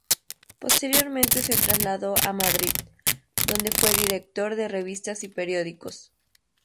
Posteriormente, se trasladó a Madrid, donde fue director de revistas y periódicos.